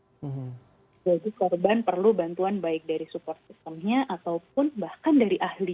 jadi korban perlu bantuan baik dari support systemnya ataupun bahkan dari ahli